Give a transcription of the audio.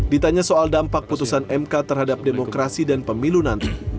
ditanya soal dampak putusan mk terhadap demokrasi dan pemilu nanti